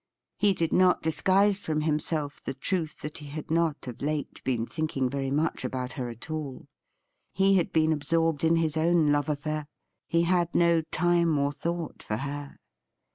He did not disguise from himself the truth that he had not of late been thinking very much about her at all. He had been absorbed in his own love affair : he had no time or thought for her.